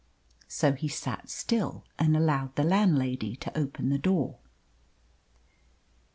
So he sat still and allowed the landlady to open the door.